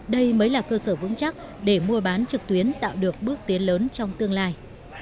đây mới là cơ sở vững chắc để mua bán trực tuyến tạo được bước tiến lớn trong tương lai